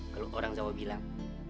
kalau orang jawa bilang